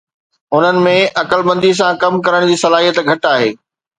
انهن ۾ عقلمندي سان ڪم ڪرڻ جي صلاحيت گهٽ آهي